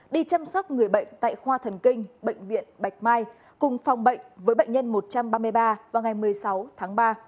đi chăm sóc người bệnh tại khoa thần kinh bệnh viện bạch mai cùng phòng bệnh với bệnh nhân một trăm ba mươi ba vào ngày một mươi sáu tháng ba